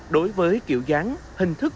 đối với kiểu dáng hình thức